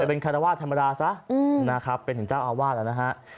เป็นคารวาสธรรมดาซะนะครับเป็นถึงเจ้าอาวาสแล้วนะฮะ